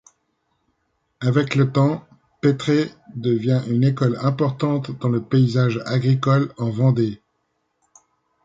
Avec le temps, Pétré devient une école importante dans le paysage agricole en Vendée.